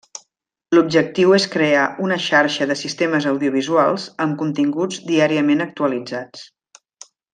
L'objectiu és crear una xarxa de sistemes audiovisuals amb continguts diàriament actualitzats.